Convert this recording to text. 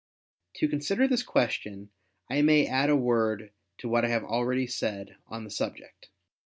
To consider this question, I may add a word to what I have already said on the subject.